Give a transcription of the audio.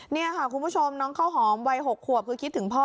นี่ค่ะคุณผู้ชมน้องข้าวหอมวัย๖ขวบคือคิดถึงพ่อ